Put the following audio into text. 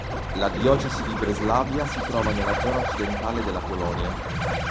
La diocesi di Breslavia si trova nella zona occidentale della Polonia.